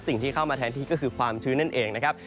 สิ่งที่เข้ามาแทนที่ก็คือความชื้นนั่นเองนะครับ